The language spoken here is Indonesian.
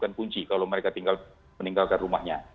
dan punci kalau mereka meninggalkan rumahnya